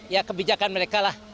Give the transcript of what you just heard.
ya kebijakan mereka lah